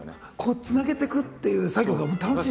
つなげていくっていう作業が楽しいんですね。